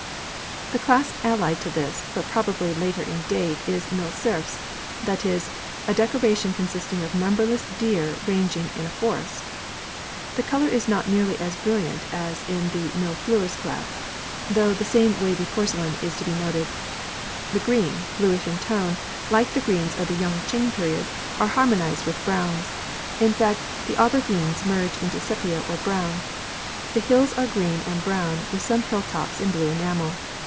The class allied to this, but probably later in date, is "mille cerfs" that is, a decoration consisting of numberless deer ranging in a forest. The colour is not nearly as brilliant as in the "mille fleurs" class, though the same wavy porcelain is to be noted. The green, bluish in tone, like the greens of the Yung ching period, are harmonised with browns; in fact, the aubergines merge into sepia or brown. The hills are green and brown with some hilltops in blue enamel.